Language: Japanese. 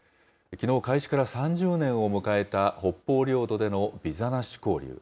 きのう、開始から３０年を迎えた北方領土でのビザなし交流。